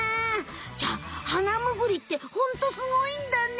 じゃあハナムグリってホントすごいんだね！